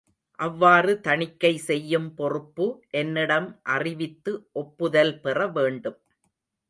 அவ்வாறு தணிக்கை செய்யும் பொறுப்பு என்னிடம் அறிவித்து ஒப்புதல் பெறவேண்டும்.